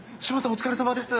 お疲れさまです。